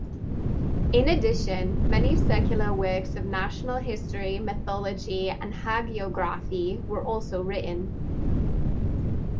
In addition, many secular works of national history, mythology, and hagiography were also written.